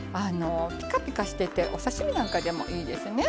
ピカピカしててお刺身なんかでもいいですね。